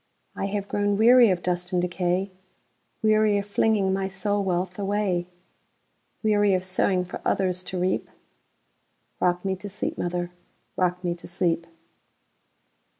I have grown weary of dust and decay,—Weary of flinging my soul wealth away; Weary of sowing for others to reap;—Rock me to sleep, mother,—rock me to sleep!